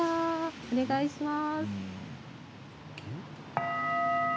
お願いします。